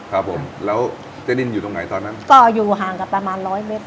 ครับผมแล้วเจ๊ดินอยู่ตรงไหนตอนนั้นก็อยู่ห่างกันประมาณร้อยเมตร